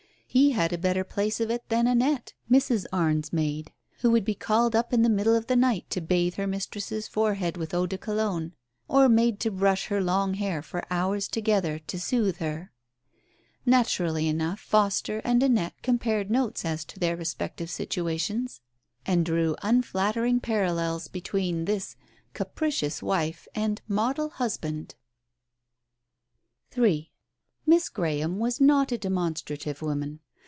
He had a better place of it than Annette, Mrs. Arne's maid, who would be called up in the middle of the night to bathe her mistress's forehead with eau de Cologne, or made to brush her long hair for Digitized by Google 106 TALES OF THE UNEASY hours together to soothe Ijer. Naturally enough Foster and Annette compared notes as to their respective situa tions, and drew unflattering parallels between this capricious wife and model husband. III Miss Graham was not a demonstrative woman.